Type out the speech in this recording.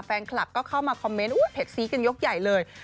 แฟนคลับก็เข้ามาคอมเมนต์เผ็ดซีกันยกใหญ่เลย